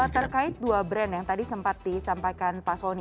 terkait dua brand yang tadi sempat disampaikan pak soni